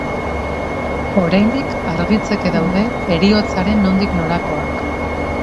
Oraindik argitzeke daude heriotzaren nondik norakoak.